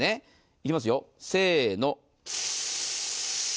いきますよ、せーの。